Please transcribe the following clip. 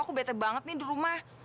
aku bete banget nih di rumah